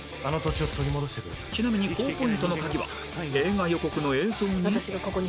ちなみに高ポイントの鍵は映画予告の映像に